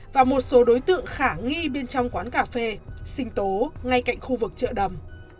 và một số đối tượng khả nghi bên trong quán cà phê sinh tố ngay cạnh khu vực chợ đầm